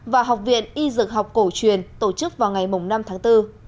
và học viện y dược học cổ truyền tổ chức vào ngày năm tháng bốn